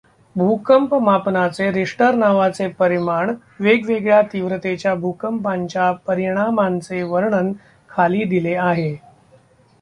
भूकंपमापनाचे Richter नावाचे परिमाण वेगवेगळ्या तीव्रतेच्या भूकंपांच्या परिणामांचे वर्णन खाली दिले आहे.